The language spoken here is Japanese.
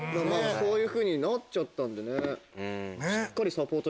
そういうふうになっちゃったんで。